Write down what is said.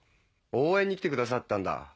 応援に来てくださったんだ。